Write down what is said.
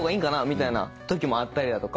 みたいなときもあったりだとか。